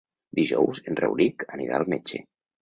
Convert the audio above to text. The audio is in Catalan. Dijous en Rauric anirà al metge.